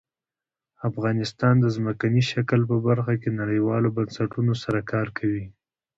افغانستان د ځمکنی شکل په برخه کې نړیوالو بنسټونو سره کار کوي.